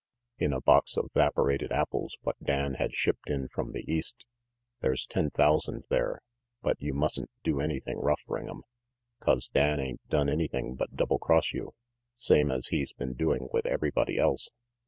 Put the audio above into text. "In a box of 'vaporated apples what Dan had shipped in from the East. There's ten thousand there, but you mustn't do anything rough, Ring'em, 'cause Dan ain't done anything but double cross you, same as he's been doing with everybody else.